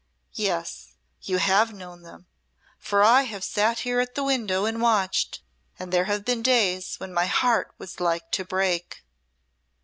"Yes, you have known them, for I have sate here at the window and watched, and there have been days when my heart was like to break."